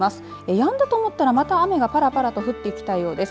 やんだと思ったら、また雨がぱらぱらと降ってきたようです。